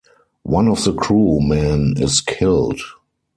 One of the crew men is killed.